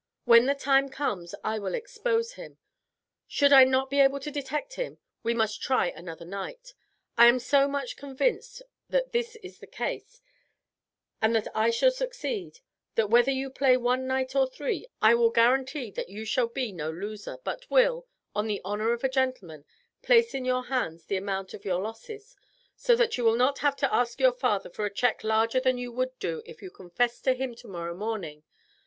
When the times comes I will expose him. Should I not be able to detect him we must try another night. I am so much convinced that this is the case, and that I shall succeed, that whether you play one night or three I will guarantee that you shall be no loser, but will, on the honor of a gentleman, place in your hands the amount of your losses; so that you will not have to ask your father for a check larger than you would do if you confessed to him tomorrow morning.